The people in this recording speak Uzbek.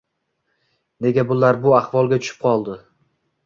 Nega bular bu ahvolga tushib qoldi?